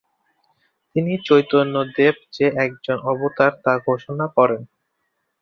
তিনি চৈতন্যদেব যে একজন অবতার তা ঘোষণা করেন।